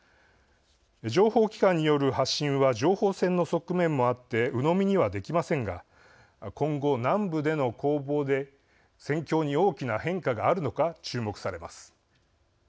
情報機関による発信は情報戦の側面もあってうのみにはできませんが今後、南部での攻防で戦況に大きな変化があるのか注目されます。